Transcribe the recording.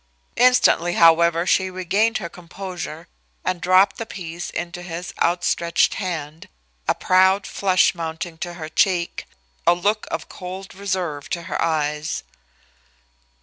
Instantly, however, she regained her composure and dropped the piece into his outstretched hand, a proud flush mounting to her cheek, a look of cold reserve to her eyes.